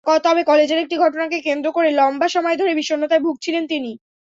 তবে কলেজের একটি ঘটনাকে কেন্দ্র করে লম্বা সময় ধরে বিষণ্নতায় ভুগছিলেন তিনি।